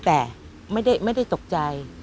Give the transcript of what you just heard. แต่ไม่ได้ตกใจ